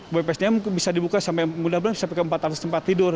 bpsdm bisa dibuka mudah mudahan sampai ke empat ratus tempat tidur